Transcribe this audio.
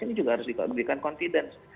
ini juga harus diberikan confidence